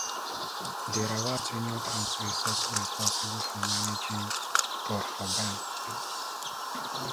The Rawat Union Council is also responsible for managing Bhurban.